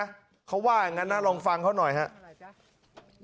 เขาว่าอย่างนั้นนะลองฟังเขาหน่อยครับ